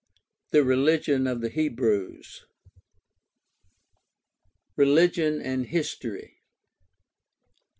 THE RELIGION OF THE HEBREWS Religion and history.